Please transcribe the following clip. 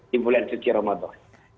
di bulan suci ramadhan